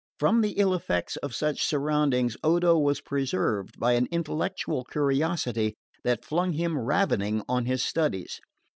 From the ill effects of such surroundings Odo was preserved by an intellectual curiosity that flung him ravening on his studies.